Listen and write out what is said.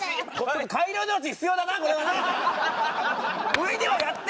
上にはやって！